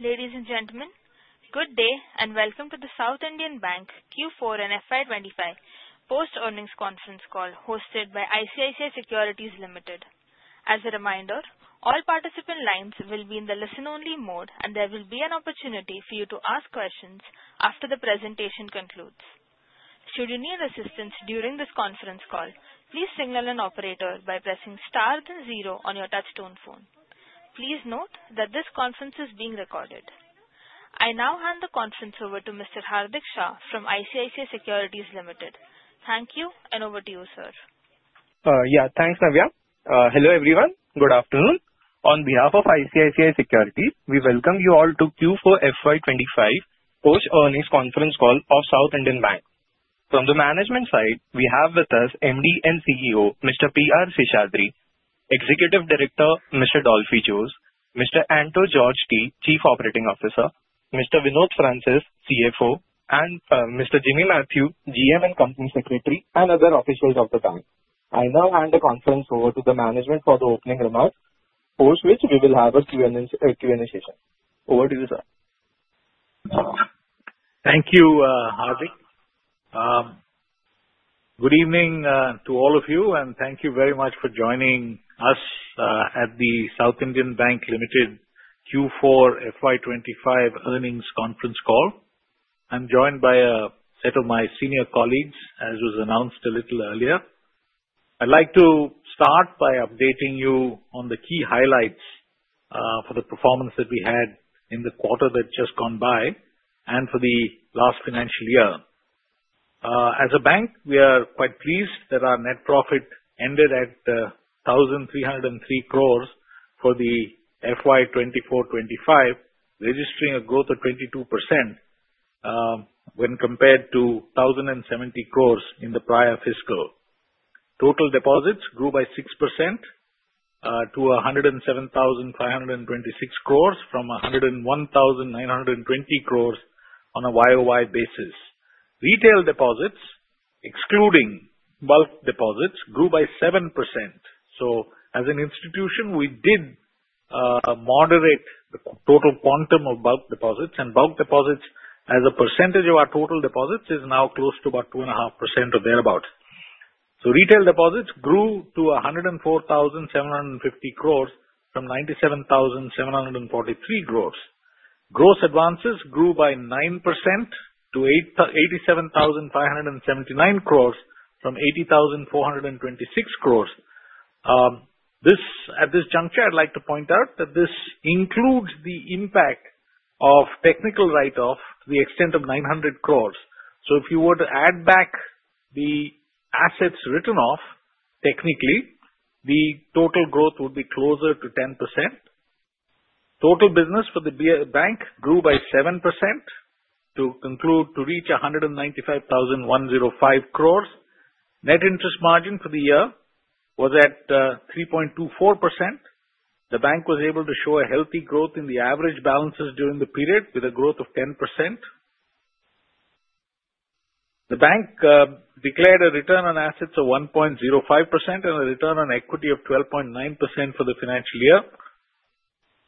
Ladies and gentlemen, good day and Welcome to the South Indian Bank Q4 and FY25 Post Earnings Conference Call hosted by ICICI Securities Limited. As a reminder, all participant lines will be in the listen-only mode, and there will be an opportunity for you to ask questions after the presentation concludes. Should you need assistance during this conference call, please signal an operator by pressing star then zero on your touchtone phone. Please note that this conference is being recorded. I now hand the conference over to Mr. Hardik Shah from ICICI Securities Limited. Thank you, and over to you, sir. Yeah, thanks, Navya. Hello everyone, good afternoon. On behalf of ICICI Securities, we Welcome you all to Q4 FY25 Post Earnings Conference Call of South Indian Bank. From the management side, we have with us MD and CEO Mr. P R Seshadri, Executive Director Mr. Dolphy Jose, Mr. Anto George T, Chief Operating Officer, Mr. Vinod Francis, CFO, and Mr. Jimmy Mathew, GM and Company Secretary and other officials of the bank. I now hand the conference over to the management for the opening remarks, post which we will have a Q&A session. Over to you, sir. Thank you, Hardik. Good evening to all of you, and thank you very much for joining us at the South Indian Bank Limited Q4 FY25 Earnings Conference Call. I'm joined by a set of my senior colleagues, as was announced a little earlier. I'd like to start by updating you on the key highlights for the performance that we had in the quarter that just gone by and for the last financial year. As a bank, we are quite pleased that our net profit ended at 1,303 crores for the FY24-25, registering a growth of 22% when compared to 1,070 crores in the prior fiscal. Total deposits grew by 6% to 107,526 crores from 101,920 crores on a YOY basis. Retail deposits, excluding bulk deposits, grew by 7%. As an institution, we did moderate the total quantum of bulk deposits, and bulk deposits as a percentage of our total deposits is now close to about 2.5% or thereabout. Retail deposits grew to 104,750 crores from 97,743 crores. Gross advances grew by 9% to 87,579 crores from 80,426 crores. At this juncture, I'd like to point out that this includes the impact of technical write-off to the extent of 900 crores. If you were to add back the assets written off technically, the total growth would be closer to 10%. Total business for the bank grew by 7% to reach 195,105 crores. Net interest margin for the year was at 3.24%. The bank was able to show a healthy growth in the average balances during the period with a growth of 10%. The bank declared a return on assets of 1.05% and a return on equity of 12.9% for the financial year.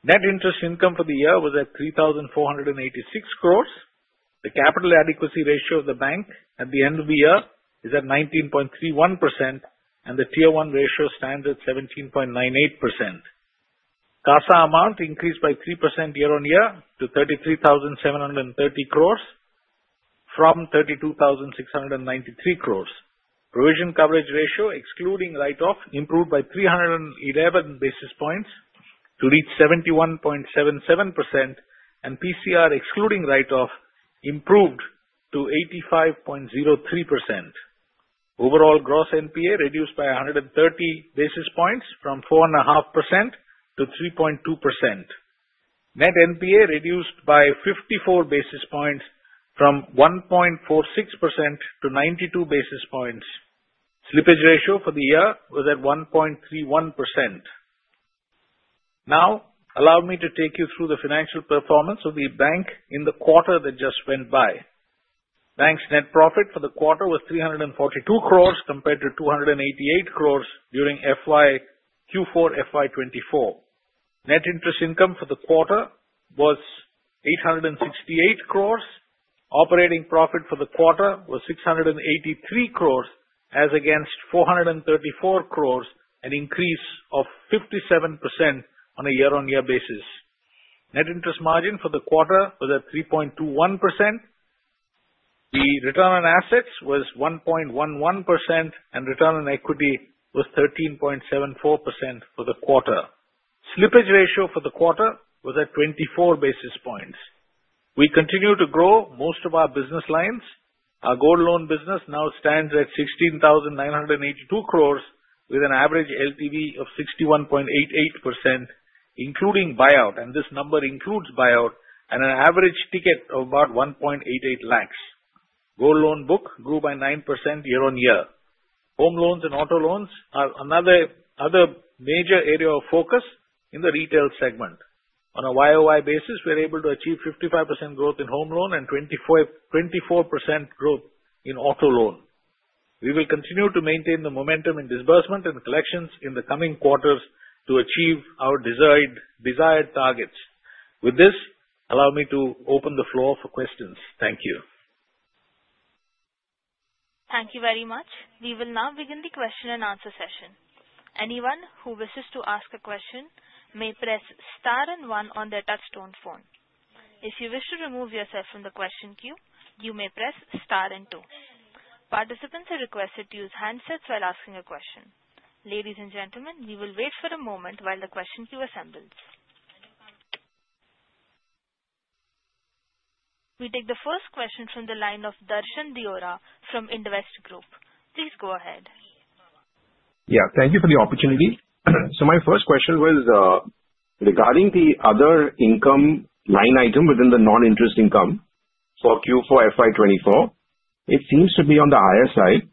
Net interest income for the year was at 3,486 crores. The capital adequacy ratio of the bank at the end of the year is at 19.31%, and the Tier 1 ratio stands at 17.98%. CASA amount increased by 3% year-on-year to 33,730 crores from 32,693 crores. Provision coverage ratio, excluding write-off, improved by 311 basis points to reach 71.77%, and PCR, excluding write-off, improved to 85.03%. Overall gross NPA reduced by 130 basis points from 4.5% to 3.2%. Net NPA reduced by 54 basis points from 1.46% to 92 basis points. Slippage ratio for the year was at 1.31%. Now, allow me to take you through the financial performance of the bank in the quarter that just went by. Bank's net profit for the quarter was 342 crores compared to 288 crores during Q4 FY24. Net interest income for the quarter was 868 crores. Operating profit for the quarter was 683 crores, as against 434 crores, an increase of 57% on a year-on-year basis. Net interest margin for the quarter was at 3.21%. The return on assets was 1.11%, and return on equity was 13.74% for the quarter. Slippage ratio for the quarter was at 24 basis points. We continue to grow most of our business lines. Our gold loan business now stands at 16,982 crores with an average LTV of 61.88%, including buyout, and this number includes buyout, and an average ticket of about 1.88 lakhs. Gold loan book grew by 9% year-on-year. Home loans and auto loans are another major area of focus in the retail segment. On a YOY basis, we're able to achieve 55% growth in home loan and 24% growth in auto loan. We will continue to maintain the momentum in disbursement and collections in the coming quarters to achieve our desired targets. With this, allow me to open the floor for questions. Thank you. Thank you very much. We will now begin the question and answer session. Anyone who wishes to ask a question may press star and one on their touchtone phone. If you wish to remove yourself from the question queue, you may press star and two. Participants are requested to use handsets while asking a question. Ladies and gentlemen, we will wait for a moment while the question queue assembles. We take the first question from the line of Darshan Deora from Indvest Group. Please go ahead. Yeah, thank you for the opportunity. So my first question was regarding the other income line item within the non-interest income for Q4 FY24. It seems to be on the higher side.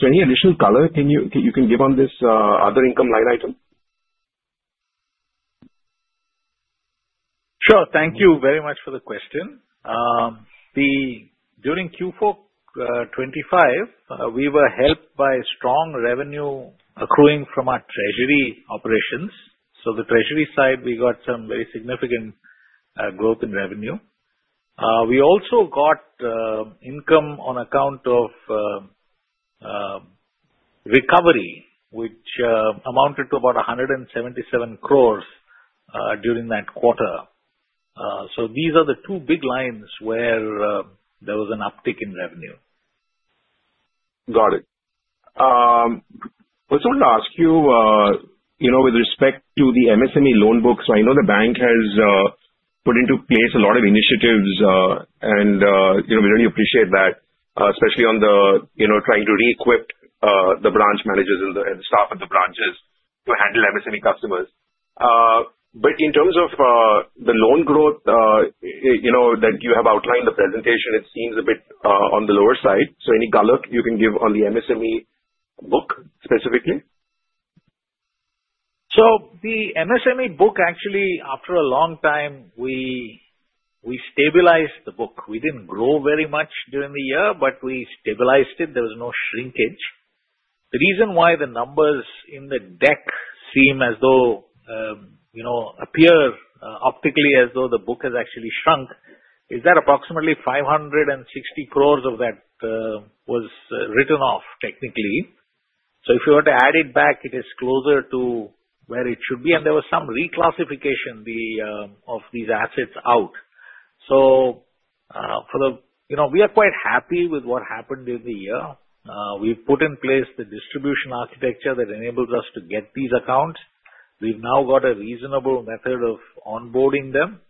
So any additional color you can give on this other income line item? Sure. Thank you very much for the question. During Q4 2025, we were helped by strong revenue accruing from our treasury operations. So the treasury side, we got some very significant growth in revenue. We also got income on account of recovery, which amounted to about 177 crores during that quarter. So these are the two big lines where there was an uptick in revenue. Got it. I just wanted to ask you, with respect to the MSME loan books, I know the bank has put into place a lot of initiatives, and we really appreciate that, especially on the trying to re-equip the branch managers and the staff at the branches to handle MSME customers. But in terms of the loan growth that you have outlined in the presentation, it seems a bit on the lower side. So any color you can give on the MSME book specifically? The MSME book, actually, after a long time, we stabilized the book. We didn't grow very much during the year, but we stabilized it. There was no shrinkage. The reason why the numbers in the deck seem as though appear optically as though the book has actually shrunk is that approximately 560 crores of that was written off technically. If you were to add it back, it is closer to where it should be. There was some reclassification of these assets out. We are quite happy with what happened during the year. We've put in place the distribution architecture that enables us to get these accounts. We've now got a reasonable method of onboarding them.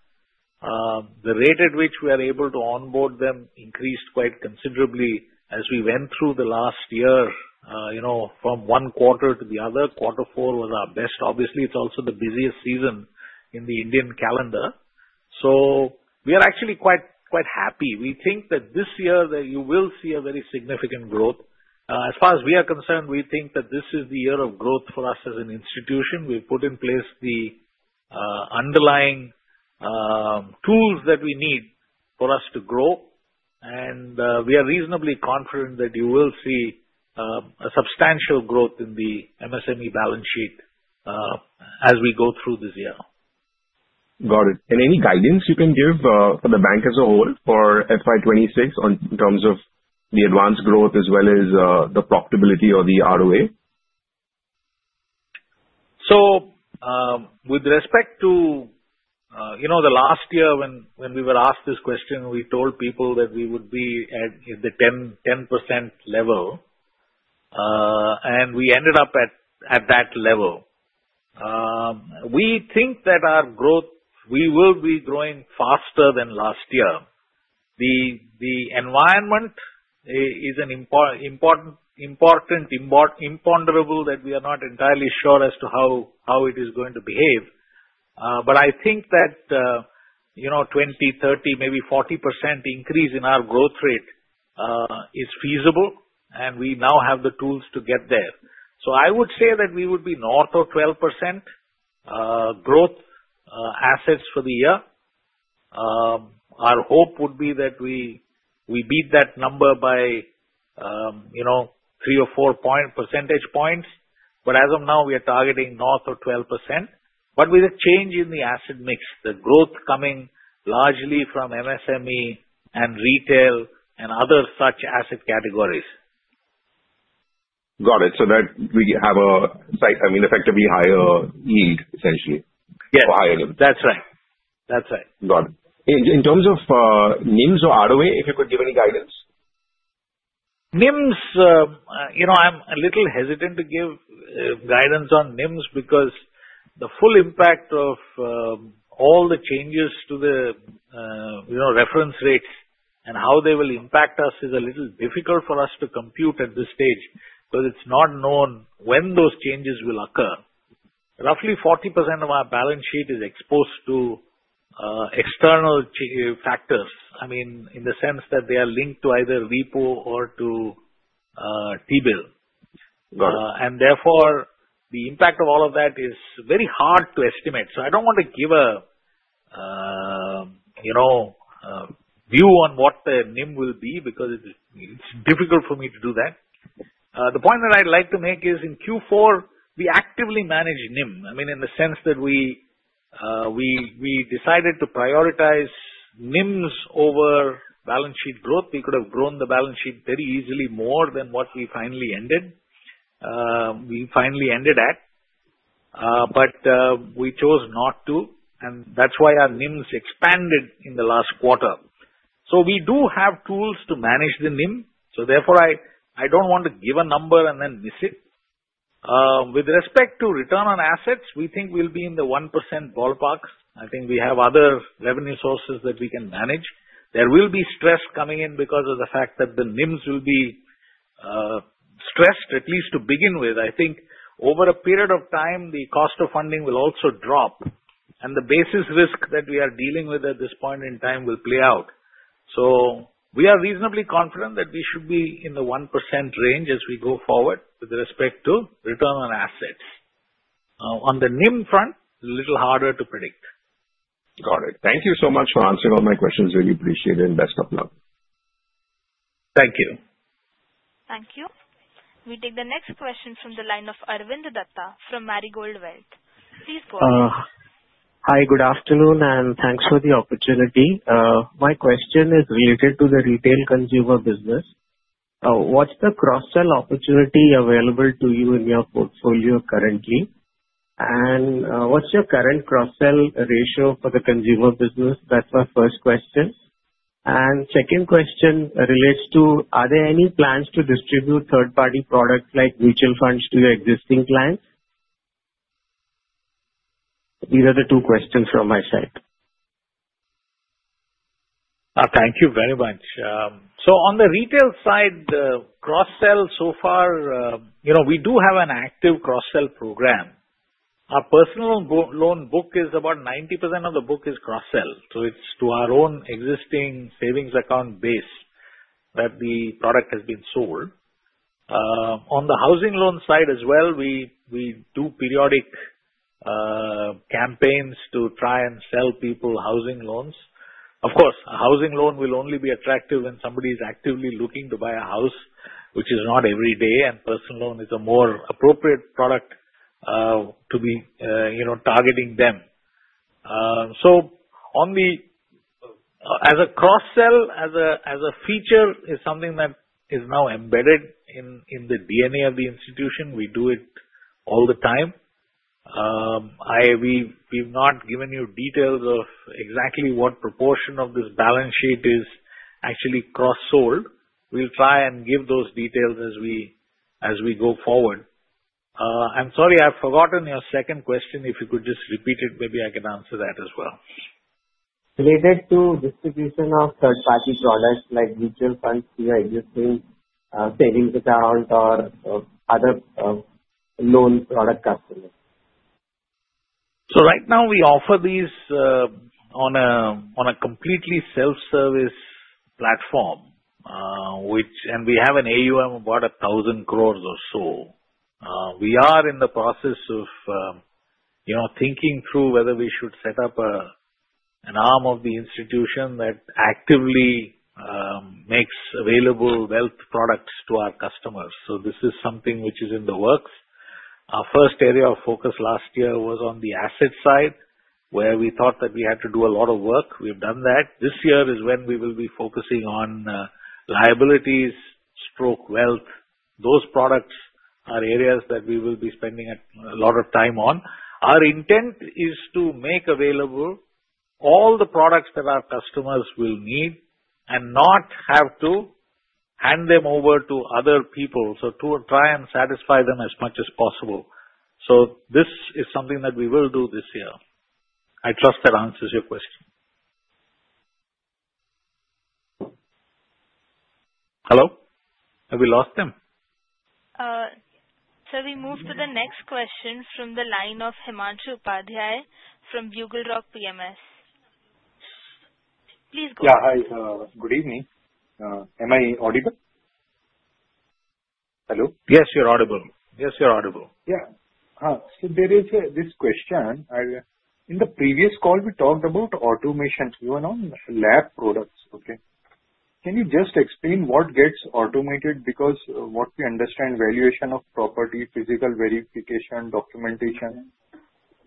The rate at which we are able to onboard them increased quite considerably as we went through the last year from Q1 to the other. Q4 was our best. Obviously, it's also the busiest season in the Indian calendar. So we are actually quite happy. We think that this year you will see a very significant growth. As far as we are concerned, we think that this is the year of growth for us as an institution. We've put in place the underlying tools that we need for us to grow, and we are reasonably confident that you will see a substantial growth in the MSME balance sheet as we go through this year. Got it. And any guidance you can give for the bank as a whole for FY26 in terms of the advances growth as well as the profitability or the ROA? With respect to the last year when we were asked this question, we told people that we would be at the 10% level, and we ended up at that level. We think that our growth, we will be growing faster than last year. The environment is an important imponderable that we are not entirely sure as to how it is going to behave. I think that 20, 30, maybe 40% increase in our growth rate is feasible, and we now have the tools to get there. I would say that we would be north of 12% growth assets for the year. Our hope would be that we beat that number by 3 or 4 percentage points. As of now, we are targeting north of 12%, but with a change in the asset mix, the growth coming largely from MSME and retail and other such asset categories. Got it. So that we have a, I mean, effectively higher yield, essentially, for higher yields. Yes, that's right. That's right. Got it. In terms of NIMS or ROA, if you could give any guidance? NIMS, I'm a little hesitant to give guidance on NIMS because the full impact of all the changes to the reference rates and how they will impact us is a little difficult for us to compute at this stage because it's not known when those changes will occur. Roughly 40% of our balance sheet is exposed to external factors, I mean, in the sense that they are linked to either repo or to T-bill, and therefore, the impact of all of that is very hard to estimate. I don't want to give a view on what the NIM will be because it's difficult for me to do that. The point that I'd like to make is in Q4, we actively managed NIM, I mean, in the sense that we decided to prioritize NIMS over balance sheet growth. We could have grown the balance sheet very easily more than what we finally ended. We finally ended at, but we chose not to, and that's why our NIMS expanded in the last quarter. So we do have tools to manage the NIM, so therefore, I don't want to give a number and then miss it. With respect to return on assets, we think we'll be in the 1% ballpark. I think we have other revenue sources that we can manage. There will be stress coming in because of the fact that the NIMS will be stressed, at least to begin with. I think over a period of time, the cost of funding will also drop, and the basis risk that we are dealing with at this point in time will play out. So we are reasonably confident that we should be in the 1% range as we go forward with respect to return on assets. On the NIM front, a little harder to predict. Got it. Thank you so much for answering all my questions. Really appreciate it. Best of luck. Thank you. Thank you. We take the next question from the line of Arvind Datta from Marigold Wealth. Please go ahead. Hi, good afternoon, and thanks for the opportunity. My question is related to the retail consumer business. What's the cross-sell opportunity available to you in your portfolio currently? And what's your current cross-sell ratio for the consumer business? That's my first question. And second question relates to, are there any plans to distribute third-party products like mutual funds to your existing clients? These are the two questions from my side. Thank you very much. So on the retail side, cross-sell so far, we do have an active cross-sell program. Our personal loan book is about 90% of the book is cross-sell. So it's to our own existing savings account base that the product has been sold. On the housing loan side as well, we do periodic campaigns to try and sell people housing loans. Of course, a housing loan will only be attractive when somebody is actively looking to buy a house, which is not every day, and personal loan is a more appropriate product to be targeting them. So as a cross-sell, as a feature, is something that is now embedded in the DNA of the institution. We do it all the time. We've not given you details of exactly what proportion of this balance sheet is actually cross-sold. We'll try and give those details as we go forward. I'm sorry, I've forgotten your second question. If you could just repeat it, maybe I can answer that as well. Related to distribution of third-party products like mutual funds to your existing savings account or other loan product customers? So right now, we offer these on a completely self-service platform, and we have an AUM of about 1,000 crores or so. We are in the process of thinking through whether we should set up an arm of the institution that actively makes available wealth products to our customers. So this is something which is in the works. Our first area of focus last year was on the asset side, where we thought that we had to do a lot of work. We've done that. This year is when we will be focusing on liabilities, stroke, wealth. Those products are areas that we will be spending a lot of time on. Our intent is to make available all the products that our customers will need and not have to hand them over to other people, so to try and satisfy them as much as possible. So this is something that we will do this year. I trust that answers your question. Hello? Have we lost them? So we move to the next question from the line of Himanshu Upadhyay from BugleRock PMS. Please go ahead. Yeah, hi. Good evening. Am I audible? Hello? Yes, you're audible. Yes, you're audible. Yeah. So there is this question. In the previous call, we talked about automation. You were on LAP products, okay? Can you just explain what gets automated? Because what we understand, valuation of property, physical verification, documentation,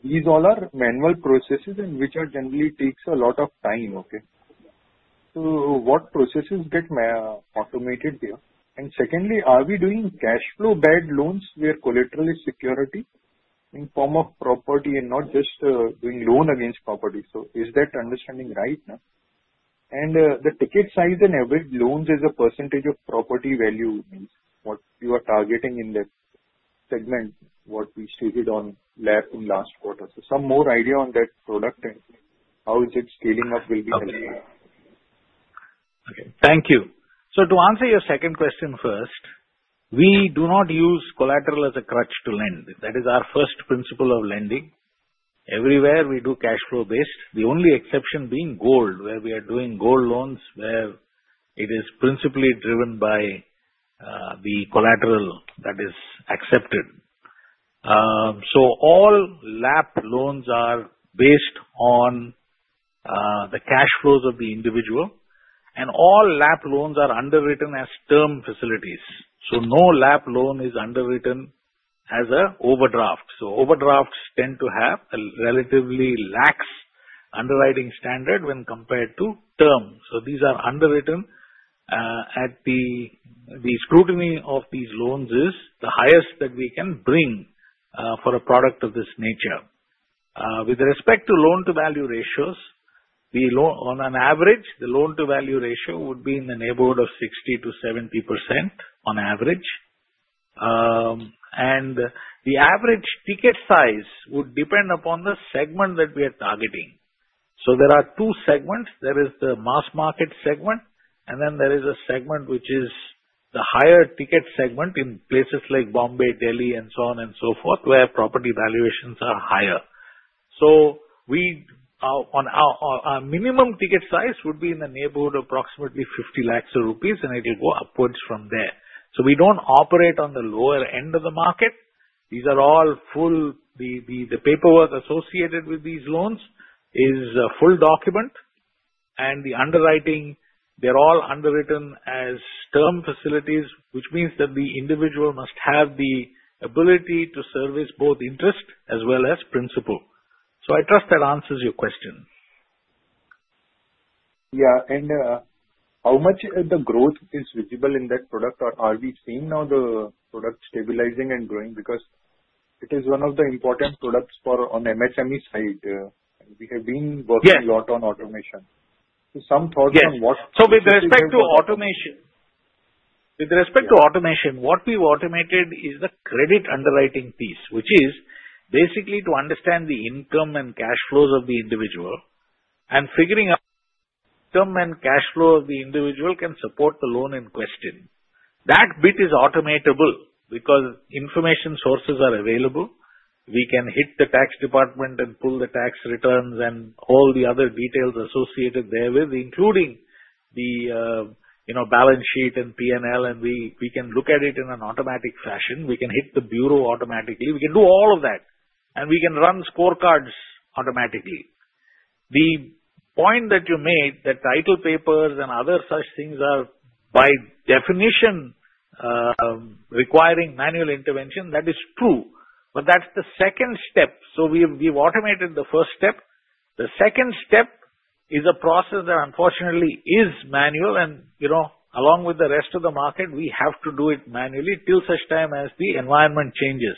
these all are manual processes which generally take a lot of time, okay? So what processes get automated here? And secondly, are we doing cash flow-based loans where collateral is security in form of property and not just doing loan against property? So is that understanding right? And the ticket size in average loans is a percentage of property value, means what you are targeting in that segment, what we stated on LAP in last quarter. So some more idea on that product and how is it scaling up will be helpful. Okay. Thank you. To answer your second question first, we do not use collateral as a crutch to lend. That is our first principle of lending. Everywhere we do cash flow-based, the only exception being gold, where we are doing gold loans where it is principally driven by the collateral that is accepted. All LAP loans are based on the cash flows of the individual, and all LAP loans are underwritten as term facilities. No lab loan is underwritten as an overdraft. Overdrafts tend to have a relatively lax underwriting standard when compared to term. These are underwritten at the scrutiny of these loans is the highest that we can bring for a product of this nature. With respect to loan-to-value ratios, on an average, the loan-to-value ratio would be in the neighborhood of 60%-70% on average. The average ticket size would depend upon the segment that we are targeting. There are two segments. There is the mass market segment, and then there is a segment which is the higher ticket segment in places like Bombay, Delhi, and so on and so forth, where property valuations are higher. Our minimum ticket size would be in the neighborhood of approximately 50 lakhs rupees, and it will go upwards from there. We don't operate on the lower end of the market. These are all full. The paperwork associated with these loans is a full document, and the underwriting, they're all underwritten as term facilities, which means that the individual must have the ability to service both interest as well as principal. I trust that answers your question. Yeah. And how much of the growth is visible in that product, or are we seeing now the product stabilizing and growing? Because it is one of the important products on MSME side. We have been working a lot on automation. So some thoughts on what? Yes. So with respect to automation, what we've automated is the credit underwriting piece, which is basically to understand the income and cash flows of the individual, and figuring out income and cash flow of the individual can support the loan in question. That bit is automatable because information sources are available. We can hit the tax department and pull the tax returns and all the other details associated therewith, including the balance sheet and P&L, and we can look at it in an automatic fashion. We can hit the bureau automatically. We can do all of that, and we can run scorecards automatically. The point that you made, that title papers and other such things are by definition requiring manual intervention, that is true. But that's the second step. So we've automated the first step. The second step is a process that unfortunately is manual, and along with the rest of the market, we have to do it manually till such time as the environment changes.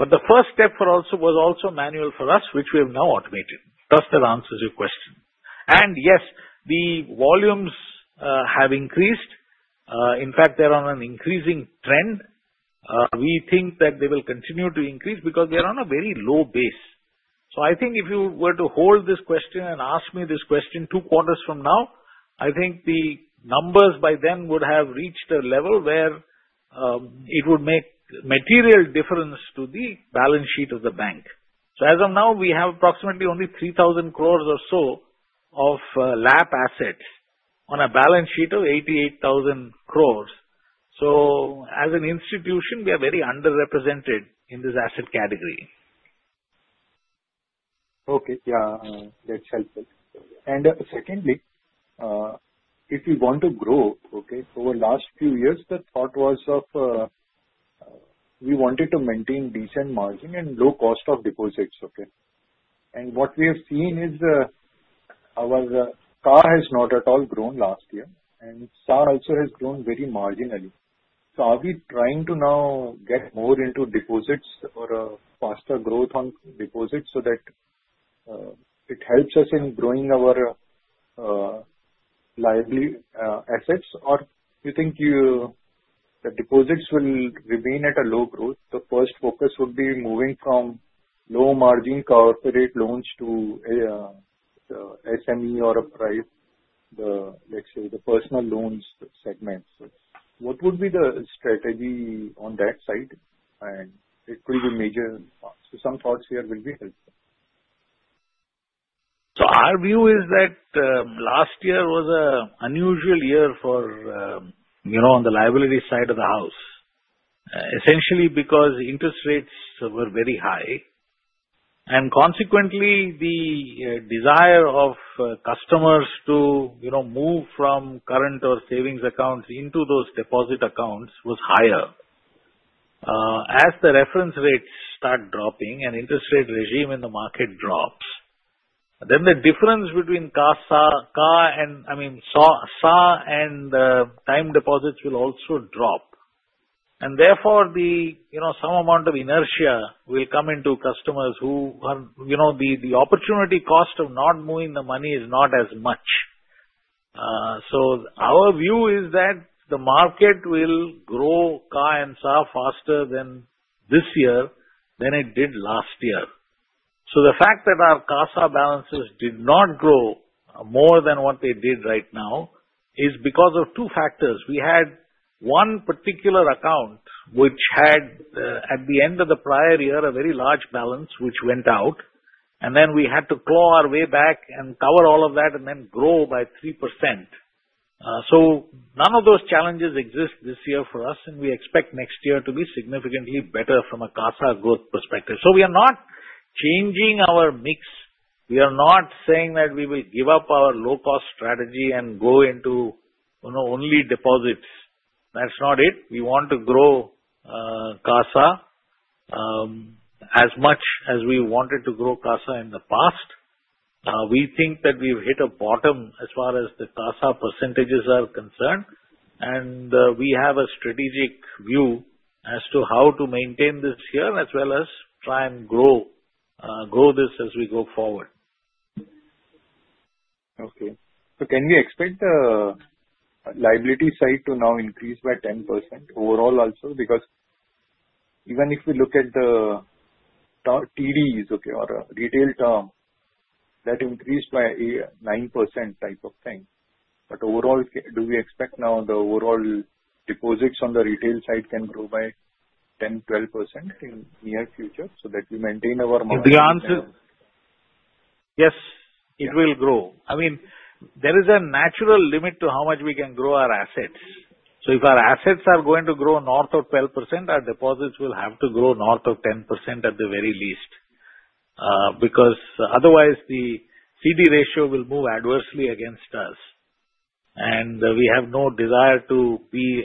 But the first step was also manual for us, which we have now automated. I trust that answers your question. And yes, the volumes have increased. In fact, they're on an increasing trend. We think that they will continue to increase because they're on a very low base. So I think if you were to hold this question and ask me this question two quarters from now, I think the numbers by then would have reached a level where it would make a material difference to the balance sheet of the bank. So as of now, we have approximately only 3,000 crores or so of LAP assets on a balance sheet of 88,000 crores. So as an institution, we are very underrepresented in this asset category. Okay. Yeah, that's helpful. Secondly, if you want to grow, okay, over the last few years, the thought was of we wanted to maintain decent margin and low cost of deposits, okay? And what we have seen is our CASA has not at all grown last year, and CASA also has grown very marginally. So are we trying to now get more into deposits or faster growth on deposits so that it helps us in growing our liability assets, or you think that deposits will remain at a low growth? The first focus would be moving from low-margin corporate loans to SME or retail, let's say, the personal loans segment. So what would be the strategy on that side? And it will be major thoughts. So some thoughts here will be helpful. Our view is that last year was an unusual year on the liability side of the house, essentially because interest rates were very high, and consequently, the desire of customers to move from current or savings accounts into those deposit accounts was higher. As the reference rates start dropping and interest rate regime in the market drops, then the difference between CASA and, I mean, CASA and time deposits will also drop. And therefore, some amount of inertia will come into customers who the opportunity cost of not moving the money is not as much. Our view is that the market will grow CASA faster than this year than it did last year. The fact that our CASA balances did not grow more than what they did right now is because of two factors. We had one particular account which had, at the end of the prior year, a very large balance which went out, and then we had to claw our way back and cover all of that and then grow by 3%. So none of those challenges exist this year for us, and we expect next year to be significantly better from a CASA growth perspective. So we are not changing our mix. We are not saying that we will give up our low-cost strategy and go into only deposits. That's not it. We want to grow CASA as much as we wanted to grow CASA in the past. We think that we've hit a bottom as far as the CASA percentages are concerned, and we have a strategic view as to how to maintain this year as well as try and grow this as we go forward. Okay. So can we expect the liability side to now increase by 10% overall also? Because even if we look at the TDs, okay, or retail term, that increased by 9% type of thing. But overall, do we expect now the overall deposits on the retail side can grow by 10-12% in the near future so that we maintain our margin? The answer, yes, it will grow. I mean, there is a natural limit to how much we can grow our assets. So if our assets are going to grow north of 12%, our deposits will have to grow north of 10% at the very least. Because otherwise, the CD ratio will move adversely against us, and we have no desire to be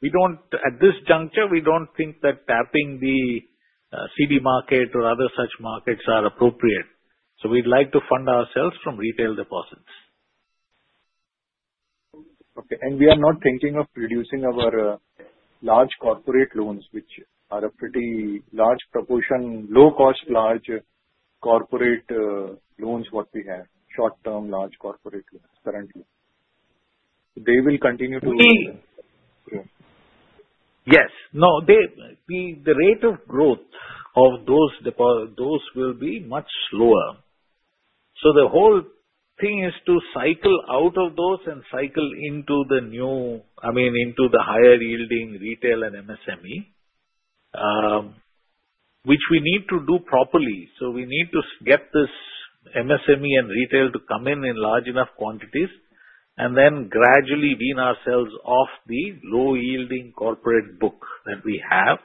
aggressive. At this juncture, we don't think that tapping the CD market or other such markets are appropriate. So we'd like to fund ourselves from retail deposits. Okay. And we are not thinking of reducing our large corporate loans, which are a pretty large proportion, low-cost large corporate loans what we have, short-term large corporate loans currently. They will continue to. Yes. No, the rate of growth of those will be much slower. So the whole thing is to cycle out of those and cycle into the new, I mean, into the higher-yielding retail and MSME, which we need to do properly. So we need to get this MSME and retail to come in in large enough quantities and then gradually wean ourselves off the low-yielding corporate book that we have.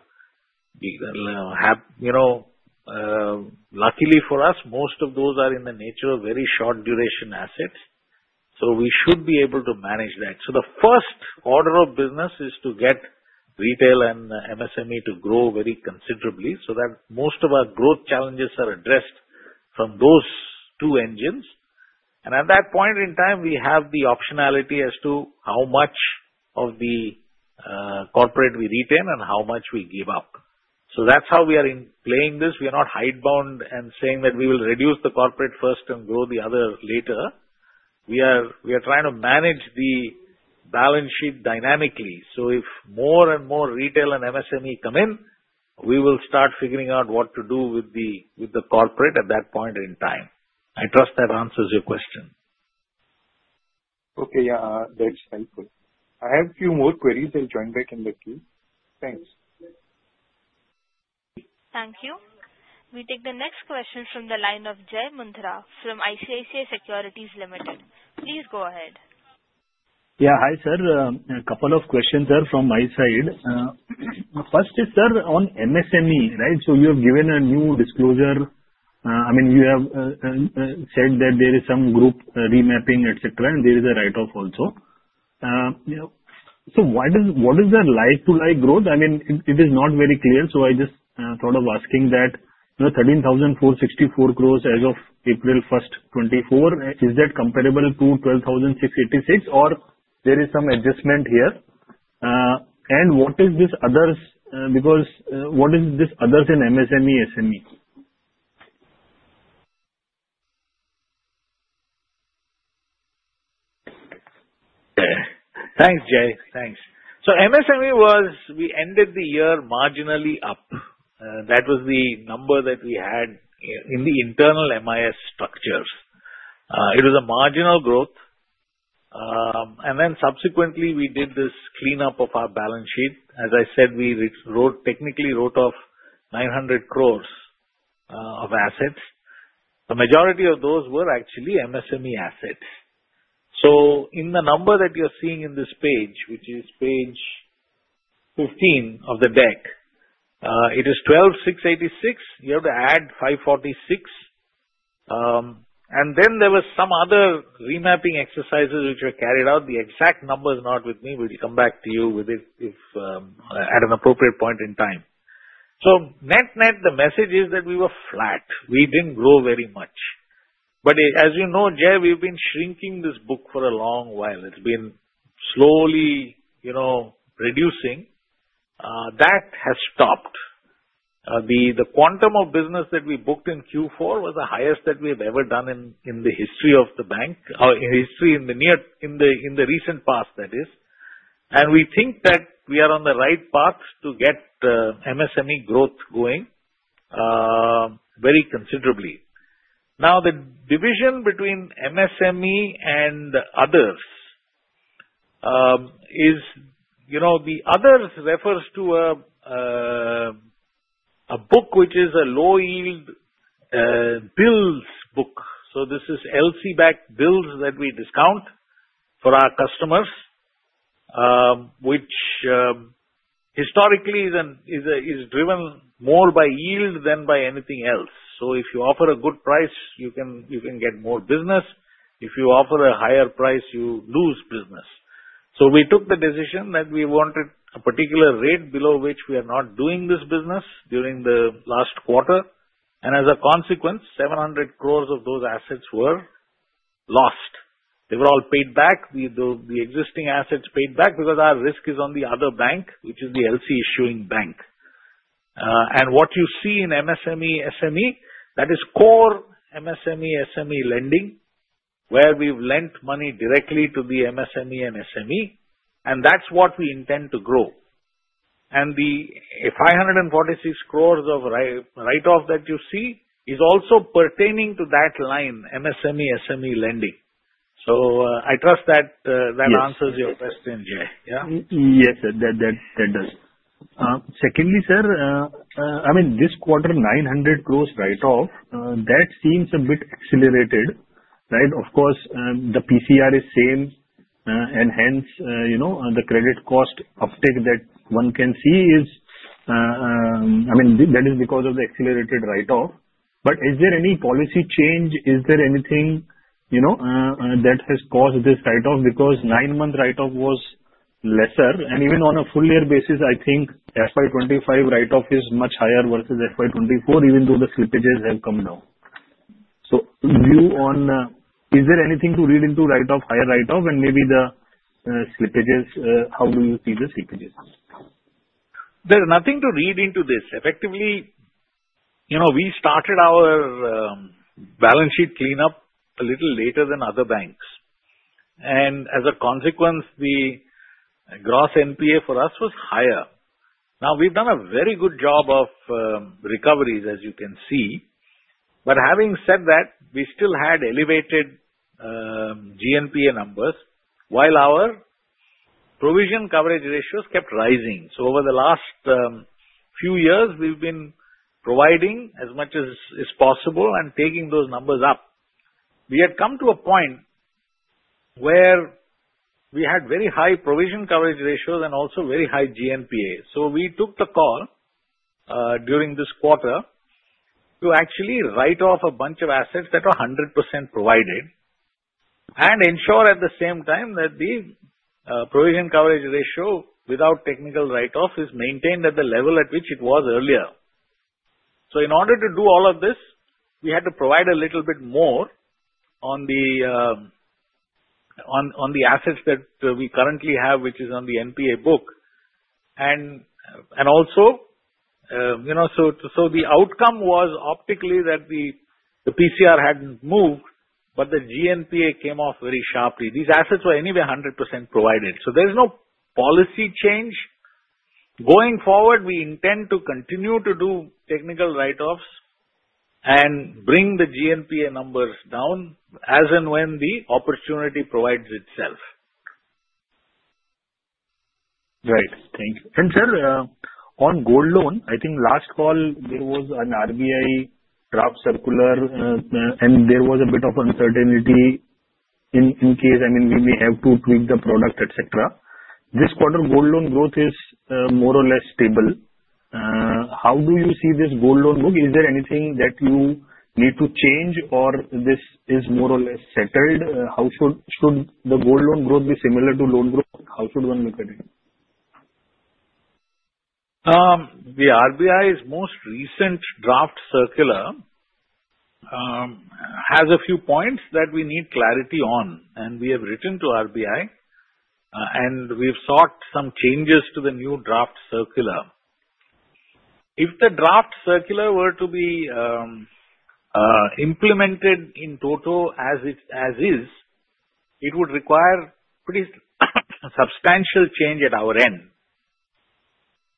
Luckily for us, most of those are in the nature of very short-duration assets, so we should be able to manage that. So the first order of business is to get retail and MSME to grow very considerably so that most of our growth challenges are addressed from those two engines. And at that point in time, we have the optionality as to how much of the corporate we retain and how much we give up. So that's how we are playing this. We are not hide-bound and saying that we will reduce the corporate first and grow the other later. We are trying to manage the balance sheet dynamically. So if more and more retail and MSME come in, we will start figuring out what to do with the corporate at that point in time. I trust that answers your question. Okay. Yeah, that's helpful. I have a few more queries. I'll join back in the queue. Thanks. Thank you. We take the next question from the line of Jai Mundhra from ICICI Securities Limited. Please go ahead. Yeah. Hi, sir. A couple of questions, sir, from my side. First is, sir, on MSME, right? So you have given a new disclosure. I mean, you have said that there is some group remapping, etc., and there is a write-off also. So what is the like-to-like growth? I mean, it is not very clear, so I just thought of asking that. 13,464 crores as of April 1st, 2024, is that comparable to 12,686, or there is some adjustment here? And what is this others? Because what is this others in MSME, SME? Thanks, Jai. Thanks. So, MSME was; we ended the year marginally up. That was the number that we had in the internal MIS structure. It was a marginal growth. And then subsequently, we did this cleanup of our balance sheet. As I said, we technically wrote off 900 crores of assets. The majority of those were actually MSME assets. So, in the number that you're seeing in this page, which is page 15 of the deck, it is 12,686. You have to add 546. And then there were some other remapping exercises which were carried out. The exact number is not with me. We'll come back to you with it at an appropriate point in time. So, net-net, the message is that we were flat. We didn't grow very much. But as you know, Jai, we've been shrinking this book for a long while. It's been slowly reducing. That has stopped. The quantum of business that we booked in Q4 was the highest that we have ever done in the history of the bank, or history in the recent past, that is. And we think that we are on the right path to get MSME growth going very considerably. Now, the division between MSME and others is the others refers to a book which is a low-yield bills book. So this is LC-backed bills that we discount for our customers, which historically is driven more by yield than by anything else. So if you offer a good price, you can get more business. If you offer a higher price, you lose business. So we took the decision that we wanted a particular rate below which we are not doing this business during the last quarter. And as a consequence, 700 crores of those assets were lost. They were all paid back. The existing assets paid back because our risk is on the other bank, which is the LC-issuing bank. And what you see in MSME, SME, that is core MSME, SME lending where we've lent money directly to the MSME and SME, and that's what we intend to grow. And the 546 crores of write-off that you see is also pertaining to that line, MSME, SME lending. So I trust that answers your question, Jai. Yeah? Yes, sir. That does. Secondly, sir, I mean, this quarter, 900 crores write-off, that seems a bit accelerated, right? Of course, the PCR is same, and hence the credit cost uptake that one can see is, I mean, that is because of the accelerated write-off. But is there any policy change? Is there anything that has caused this write-off? Because nine-month write-off was lesser. And even on a full-year basis, I think FY25 write-off is much higher versus FY24, even though the slippages have come down. So view on is there anything to read into write-off, higher write-off, and maybe the slippages? How do you see the slippages? There's nothing to read into this. Effectively, we started our balance sheet cleanup a little later than other banks. And as a consequence, the gross NPA for us was higher. Now, we've done a very good job of recoveries, as you can see. But having said that, we still had elevated GNPA numbers while our provision coverage ratios kept rising. So over the last few years, we've been providing as much as possible and taking those numbers up. We had come to a point where we had very high provision coverage ratios and also very high GNPA. So we took the call during this quarter to actually write off a bunch of assets that were 100% provided and ensure at the same time that the provision coverage ratio without technical write-off is maintained at the level at which it was earlier. So in order to do all of this, we had to provide a little bit more on the assets that we currently have, which is on the NPA book, and also, so the outcome was optically that the PCR hadn't moved, but the GNPA came off very sharply. These assets were anyway 100% provided. So there's no policy change. Going forward, we intend to continue to do technical write-offs and bring the GNPA numbers down as and when the opportunity provides itself. Right. Thank you. And, sir, on gold loan, I think last call, there was an RBI draft circular, and there was a bit of uncertainty in case, I mean, we may have to tweak the product, etc. This quarter, gold loan growth is more or less stable. How do you see this gold loan book? Is there anything that you need to change, or this is more or less settled? How should the gold loan growth be similar to loan growth? How should one look at it? The RBI's most recent draft circular has a few points that we need clarity on, and we have written to RBI, and we've sought some changes to the new draft circular. If the draft circular were to be implemented in toto as it is, it would require pretty substantial change at our end.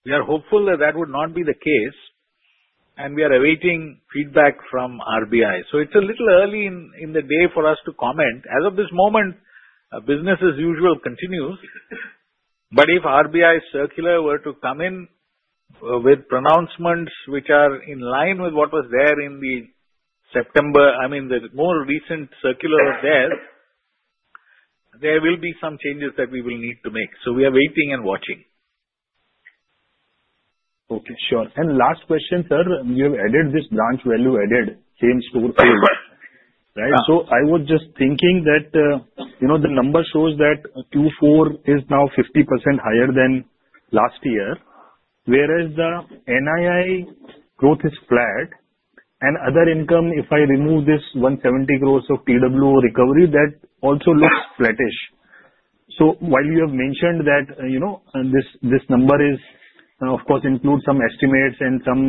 We are hopeful that that would not be the case, and we are awaiting feedback from RBI. So it's a little early in the day for us to comment. As of this moment, business as usual continues. But if RBI circular were to come in with pronouncements which are in line with what was there in the September, I mean, the more recent circular of theirs, there will be some changes that we will need to make. So we are waiting and watching. Okay. Sure. And last question, sir, you have added this Store Value Added, same store field, right? So I was just thinking that the number shows that Q4 is now 50% higher than last year, whereas the NII growth is flat. And other income, if I remove this 170 crores of TW recovery, that also looks flattish. So while you have mentioned that this number is, of course, includes some estimates and some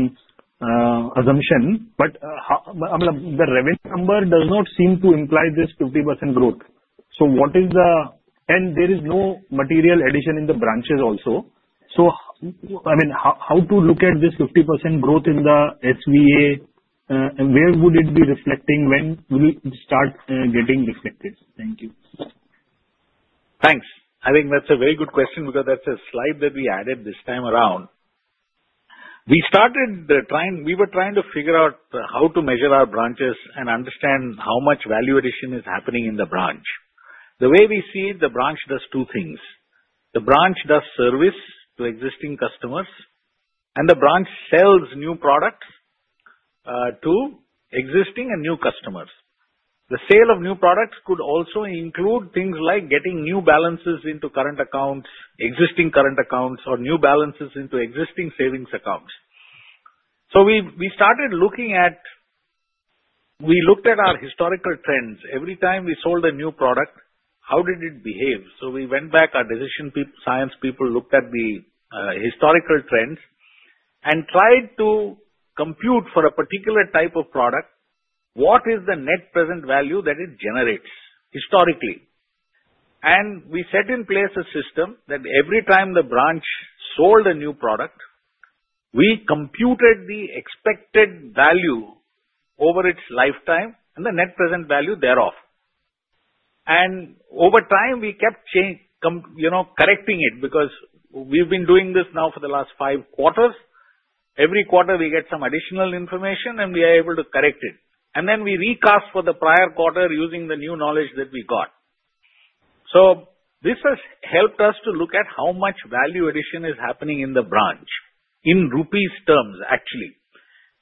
assumption, but the revenue number does not seem to imply this 50% growth. So what is the? And there is no material addition in the branches also. So, I mean, how to look at this 50% growth in the SVA? Where would it be reflecting when we start getting reflected? Thank you. Thanks. I think that's a very good question because that's a slide that we added this time around. We were trying to figure out how to measure our branches and understand how much value addition is happening in the branch. The way we see it, the branch does two things. The branch does service to existing customers, and the branch sells new products to existing and new customers. The sale of new products could also include things like getting new balances into current accounts, existing current accounts, or new balances into existing savings accounts. So we looked at our historical trends. Every time we sold a new product, how did it behave? So we went back. Our decision science people looked at the historical trends and tried to compute for a particular type of product what is the net present value that it generates historically. And we set in place a system that every time the branch sold a new product, we computed the expected value over its lifetime and the net present value thereof. And over time, we kept correcting it because we've been doing this now for the last five quarters. Every quarter, we get some additional information, and we are able to correct it. And then we recast for the prior quarter using the new knowledge that we got. So this has helped us to look at how much value addition is happening in the branch in rupees terms, actually.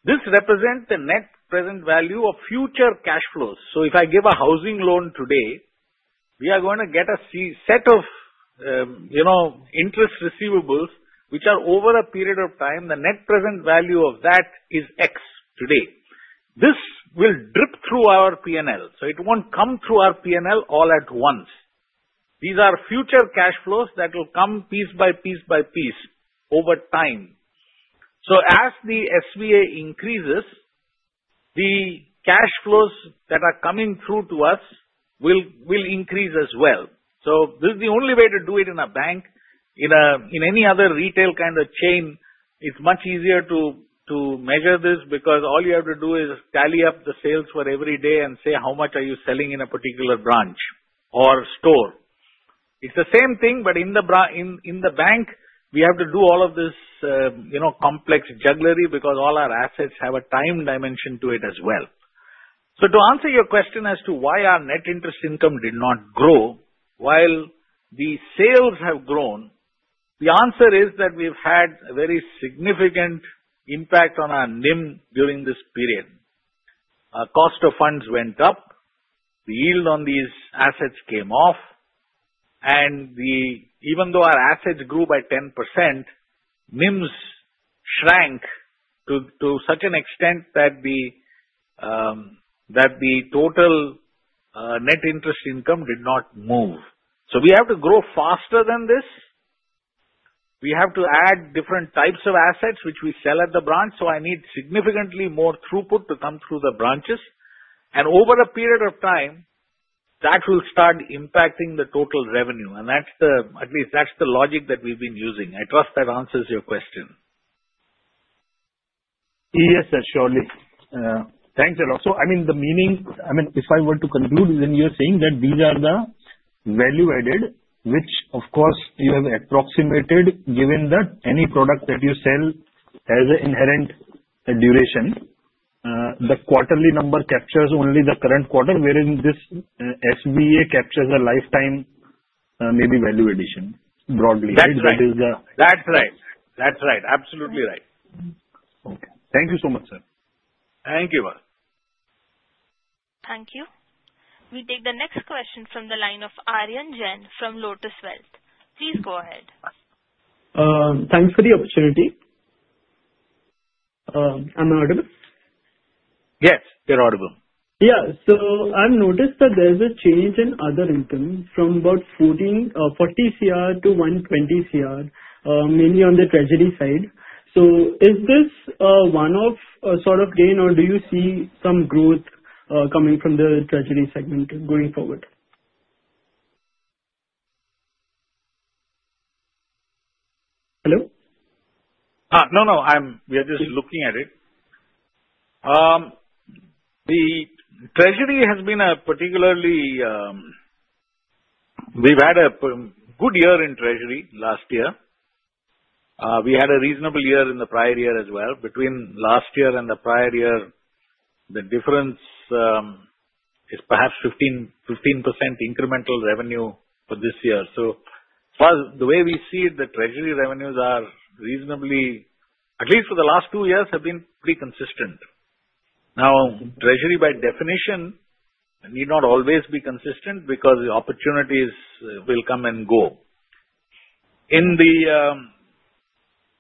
This represents the net present value of future cash flows. So if I give a housing loan today, we are going to get a set of interest receivables which are over a period of time. The net present value of that is X today. This will drip through our P&L. So it won't come through our P&L all at once. These are future cash flows that will come piece by piece by piece over time. So as the SVA increases, the cash flows that are coming through to us will increase as well. So this is the only way to do it in a bank. In any other retail kind of chain, it's much easier to measure this because all you have to do is tally up the sales for every day and say, "How much are you selling in a particular branch or store?" It's the same thing, but in the bank, we have to do all of this complex jugglery because all our assets have a time dimension to it as well. So to answer your question as to why our net interest income did not grow while the sales have grown, the answer is that we've had a very significant impact on our NIM during this period. Cost of funds went up. The yield on these assets came off. And even though our assets grew by 10%, NIMs shrank to such an extent that the total net interest income did not move. So we have to grow faster than this. We have to add different types of assets which we sell at the branch. So I need significantly more throughput to come through the branches. And over a period of time, that will start impacting the total revenue. And at least that's the logic that we've been using. I trust that answers your question. Yes, sir. Surely. Thanks, sir. So I mean, if I were to conclude, then you're saying that these are the value added, which, of course, you have approximated given that any product that you sell has an inherent duration. The quarterly number captures only the current quarter, whereas this SVA captures a lifetime maybe value addition broadly. That's right. That's right. Absolutely right. Okay. Thank you so much, sir. Thank you very much. Thank you. We take the next question from the line of Aryan Jain from Lotus Wealth. Please go ahead. Thanks for the opportunity. I'm audible? Yes, you're audible. Yeah. So I've noticed that there's a change in other income from about 40 crore to 120 crore, mainly on the treasury side. So is this one-off sort of gain, or do you see some growth coming from the treasury segment going forward? Hello? No, no. We are just looking at it. The treasury has been a particularly. We've had a good year in treasury last year. We had a reasonable year in the prior year as well. Between last year and the prior year, the difference is perhaps 15% incremental revenue for this year. So the way we see it, the treasury revenues are reasonably, at least for the last 2 years, have been pretty consistent. Now, treasury by definition need not always be consistent because the opportunities will come and go.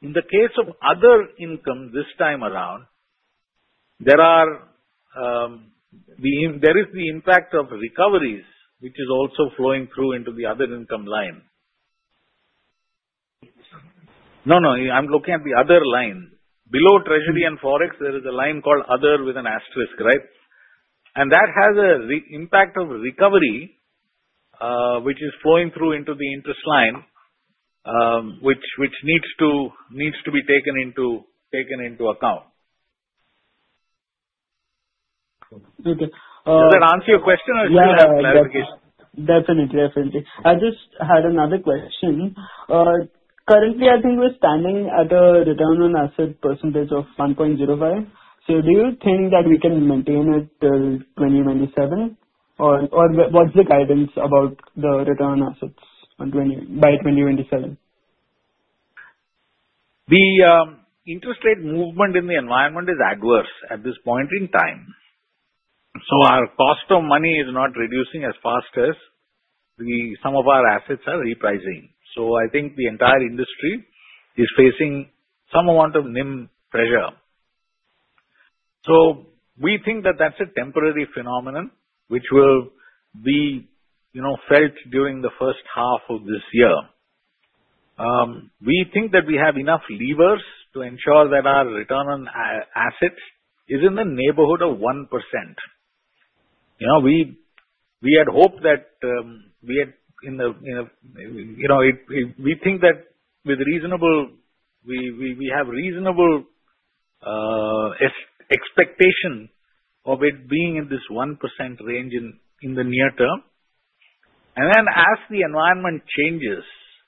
In the case of other income this time around, there is the impact of recoveries which is also flowing through into the other income line. No, no. I'm looking at the other line. Below treasury and forex, there is a line called other with an asterisk, right? And that has an impact of recovery which is flowing through into the interest line which needs to be taken into account. Does that answer your question, or do you have clarification? Definitely. Definitely. I just had another question. Currently, I think we're standing at a return on assets of 1.05%. So do you think that we can maintain it till 2027, or what's the guidance about the return on assets by 2027? The interest rate movement in the environment is adverse at this point in time, so our cost of money is not reducing as fast as some of our assets are repricing, so I think the entire industry is facing some amount of NIM pressure, so we think that that's a temporary phenomenon which will be felt during the first half of this year. We think that we have enough levers to ensure that our return on assets is in the neighborhood of 1%. We think that we have reasonable expectation of it being in this 1% range in the near term, and then as the environment changes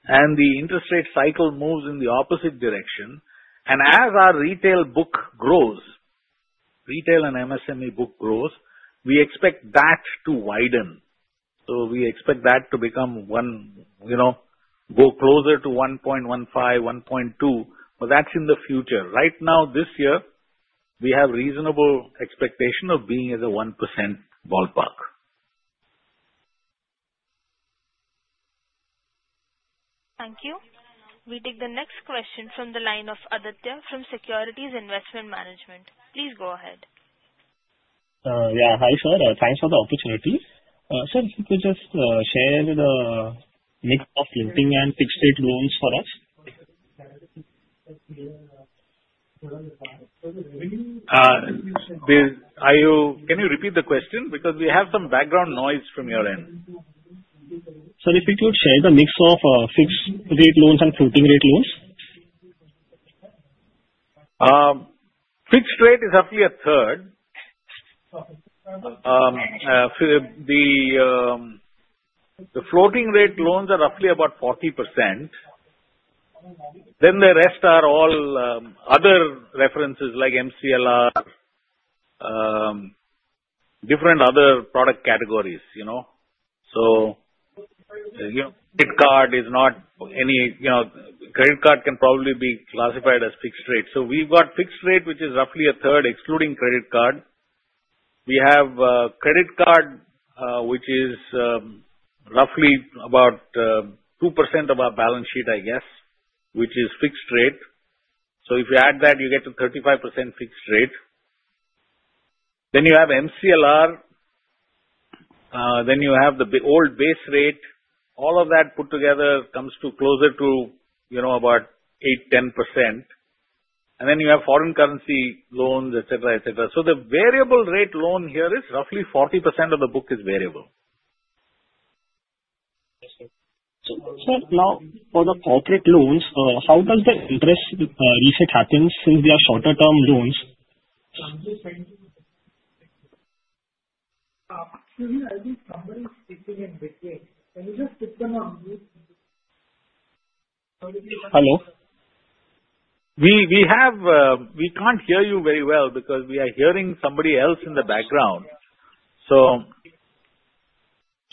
and the interest rate cycle moves in the opposite direction, and as our retail book grows, retail and MSME book grows, we expect that to widen. We expect that to become one, go closer to 1.15%-1.2%, but that's in the future. Right now, this year, we have reasonable expectation of being at a 1% ballpark. Thank you. We take the next question from the line of Aditya from Securities Investment Management. Please go ahead. Yeah. Hi, sir. Thanks for the opportunity. Sir, could you just share the mix of lending and fixed-rate loans for us? Can you repeat the question? Because we have some background noise from your end. Sir, if you could share the mix of fixed-rate loans and floating-rate loans? Fixed rate is roughly a third. The floating-rate loans are roughly about 40%. Then the rest are all other references like MCLR, different other product categories. So credit card is not any. Credit card can probably be classified as fixed rate. So we've got fixed rate, which is roughly a third, excluding credit card. We have credit card, which is roughly about 2% of our balance sheet, I guess, which is fixed rate. So if you add that, you get to 35% fixed rate. Then you have MCLR. Then you have the old base rate. All of that put together comes to closer to about 8-10%, and then you have foreign currency loans, etc., etc. So the variable rate loan here is roughly 40% of the book is variable. Now, for the corporate loans, how does the interest reset happen since they are shorter-term loans? Hello? We have a, we can't hear you very well because we are hearing somebody else in the background. So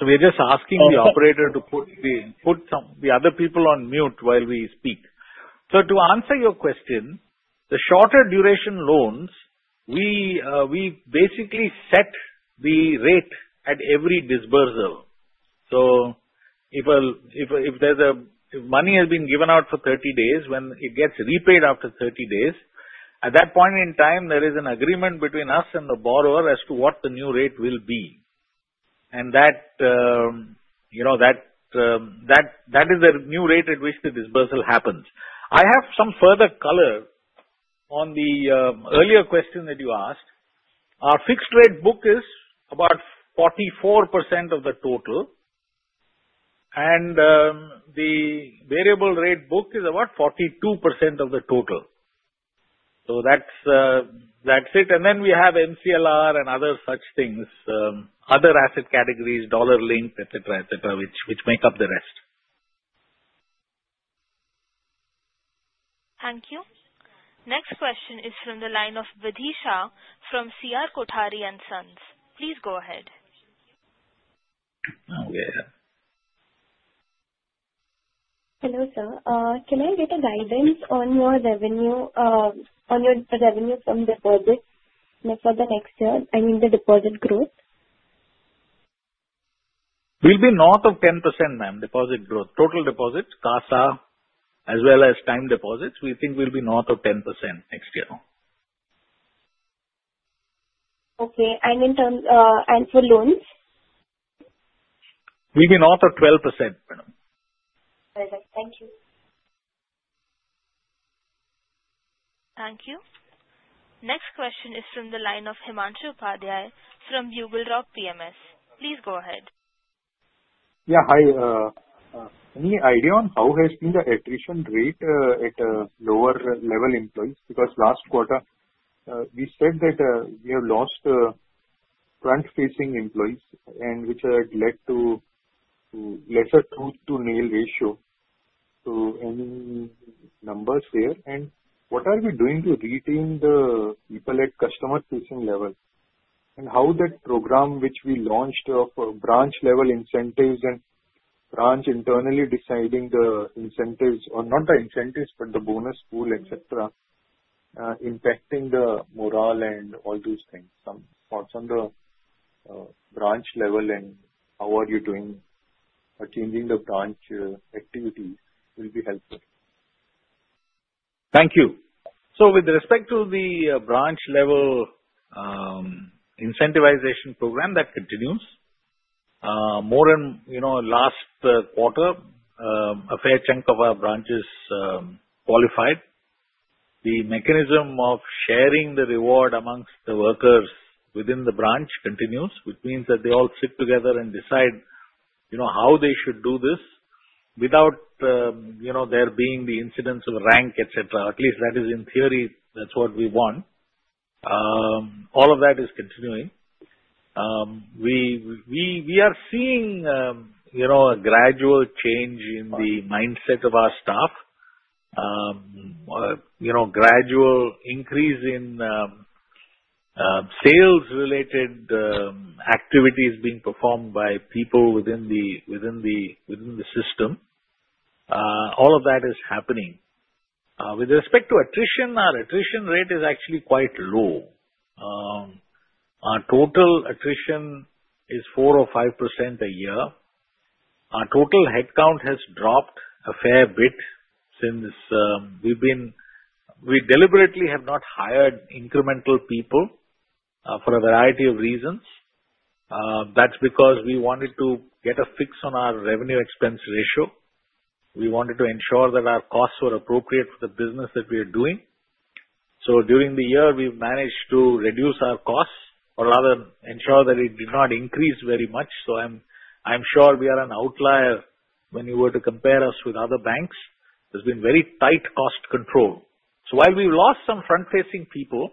we're just asking the operator to put the other people on mute while we speak. So to answer your question, the shorter duration loans, we basically set the rate at every disbursal. So if money has been given out for 30 days, when it gets repaid after 30 days, at that point in time, there is an agreement between us and the borrower as to what the new rate will be. And that is the new rate at which the disbursal happens. I have some further color on the earlier question that you asked. Our fixed-rate book is about 44% of the total, and the variable rate book is about 42% of the total. So that's it. And then we have MCLR and other such things, other asset categories, dollar link, etc., etc., which make up the rest. Thank you. Next question is from the line of Vidhi Shah from C.R. Kothari & Sons. Please go ahead. Hello, sir. Can I get a guidance on your revenue from deposits for the next year? I mean, the deposit growth. We'll be north of 10%, ma'am, deposit growth. Total deposits, CASA, as well as time deposits, we think we'll be north of 10% next year. Okay. And for loans? We'll be north of 12%, madam. Thank you. Next question is from the line of Himanshu Upadhyay from BugleRock PMS. Please go ahead. Yeah. Hi. Any idea on how has been the attrition rate at lower-level employees? Because last quarter, we said that we have lost front-facing employees, which had led to lesser tooth-to-tail ratio. So any numbers there? And what are we doing to retain the people at customer-facing level? And how that program, which we launched of branch-level incentives and branch internally deciding the incentives, or not the incentives, but the bonus pool, etc., impacting the morale and all these things? Some thoughts on the branch level and how are you doing changing the branch activity will be helpful. Thank you. So with respect to the branch-level incentivization program, that continues. More than last quarter, a fair chunk of our branches qualified. The mechanism of sharing the reward among the workers within the branch continues, which means that they all sit together and decide how they should do this without there being the incidence of rank, etc. At least that is in theory, that's what we want. All of that is continuing. We are seeing a gradual change in the mindset of our staff, gradual increase in sales-related activities being performed by people within the system. All of that is happening. With respect to attrition, our attrition rate is actually quite low. Our total attrition is 4% or 5% a year. Our total headcount has dropped a fair bit since we deliberately have not hired incremental people for a variety of reasons. That's because we wanted to get a fix on our revenue expense ratio. We wanted to ensure that our costs were appropriate for the business that we are doing, so during the year, we've managed to reduce our costs or rather ensure that it did not increase very much, so I'm sure we are an outlier when you were to compare us with other banks. There's been very tight cost control, so while we've lost some front-facing people,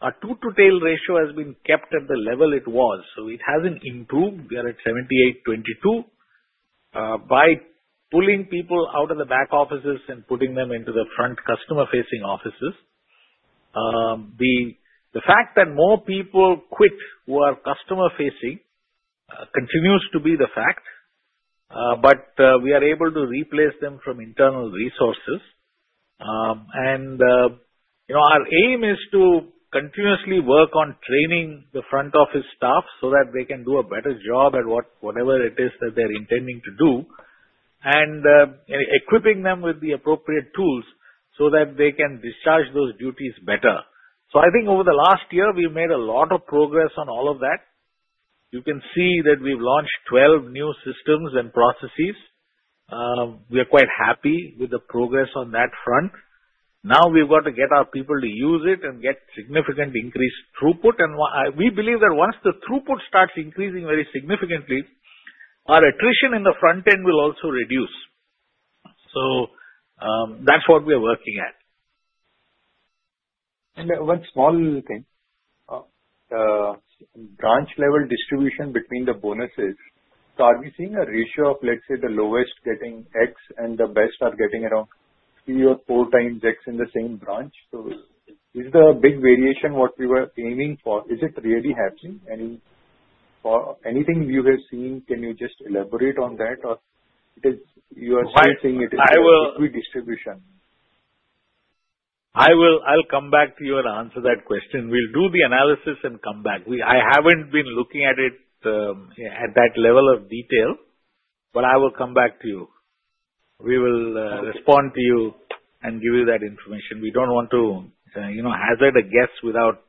our tooth-to-tail ratio has been kept at the level it was. So it hasn't improved. We are at 78-22. By pulling people out of the back offices and putting them into the front customer-facing offices, the fact that more people quit who are customer-facing continues to be the fact. But we are able to replace them from internal resources. Our aim is to continuously work on training the front office staff so that they can do a better job at whatever it is that they're intending to do and equipping them with the appropriate tools so that they can discharge those duties better. I think over the last year, we made a lot of progress on all of that. You can see that we've launched 12 new systems and processes. We are quite happy with the progress on that front. Now we've got to get our people to use it and get significant increased throughput. We believe that once the throughput starts increasing very significantly, our attrition in the front end will also reduce. That's what we are working at. And one small thing. Branch-level distribution between the bonuses. So are we seeing a ratio of, let's say, the lowest getting X and the best are getting around three or four times X in the same branch? So is the big variation what we were aiming for? Is it really happening? Anything you have seen, can you just elaborate on that? Or you are saying it is equal distribution. I'll come back to you and answer that question. We'll do the analysis and come back. I haven't been looking at it at that level of detail, but I will come back to you. We will respond to you and give you that information. We don't want to hazard a guess without,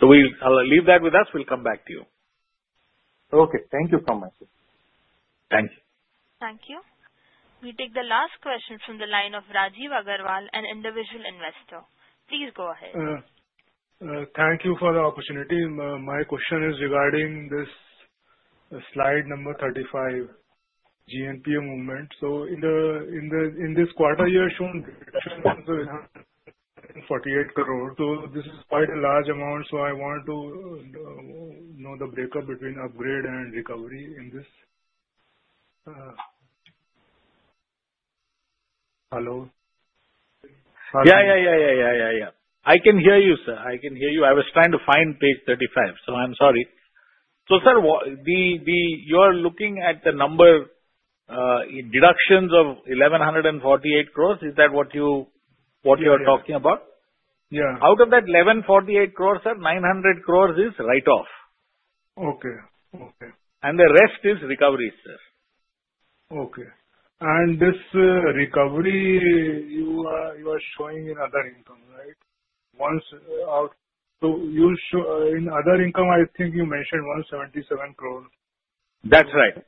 so leave that with us. We'll come back to you. Okay. Thank you so much. Thank you. Thank you. We take the last question from the line of Rajiv Agarwal, an individual investor. Please go ahead. Thank you for the opportunity. My question is regarding this slide number 35, GNPA movement. So in this quarter, you are showing reduction of 48 crore. So this is quite a large amount. So I want to know the breakup between upgrade and recovery in this. Hello? Yeah, yeah, yeah, yeah, yeah, yeah, yeah. I can hear you, sir. I can hear you. I was trying to find page 35. So I'm sorry. So sir, you are looking at the number deductions of 1,148 crore. Is that what you are talking about? Yeah. Out of that 1,148 crore, sir, 900 crore is write-off. Okay. Okay. And the rest is recovery, sir. Okay. And this recovery, you are showing in other income, right? So in other income, I think you mentioned 177 crore. That's right.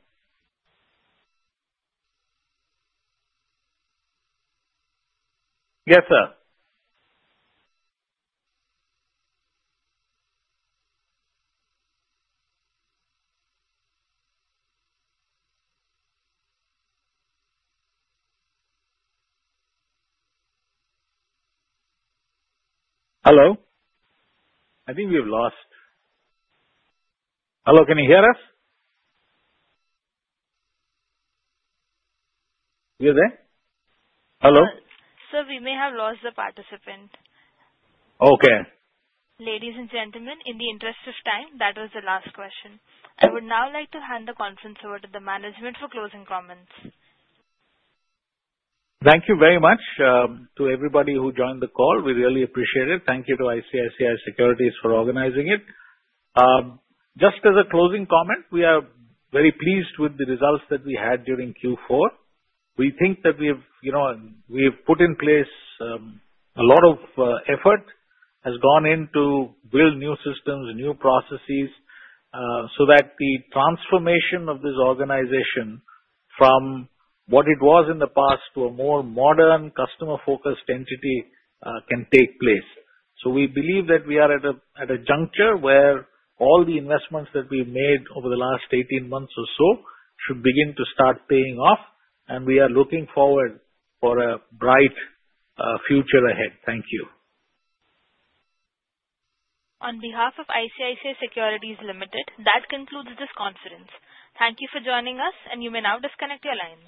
Yes, sir. Hello? I think we've lost. Hello. Can you hear us? You there? Hello? Sir, we may have lost the participant. Okay. Ladies and gentlemen, in the interest of time, that was the last question. I would now like to hand the conference over to the management for closing comments. Thank you very much to everybody who joined the call. We really appreciate it. Thank you to ICICI Securities for organizing it. Just as a closing comment, we are very pleased with the results that we had during Q4. We think that we have put in place. A lot of effort has gone into building new systems, new processes so that the transformation of this organization from what it was in the past to a more modern customer-focused entity can take place. So we believe that we are at a juncture where all the investments that we've made over the last 18 months or so should begin to start paying off. And we are looking forward for a bright future ahead. Thank you. On behalf of ICICI Securities Limited, that concludes this conference. Thank you for joining us, and you may now disconnect your line.